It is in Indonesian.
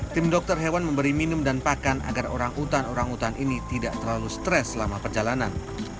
tim dokter hewan memberi minum dan pakan agar orang utan orang utan ini tidak terlalu stres selama perjalanan